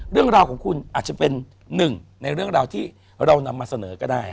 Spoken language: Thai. เรื่องราวของคุณอาจจะเป็นหนึ่งในเรื่องราวที่เรานำมาเสนอก็ได้